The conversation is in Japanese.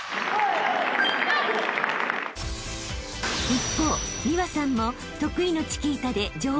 ［一方美和さんも得意の］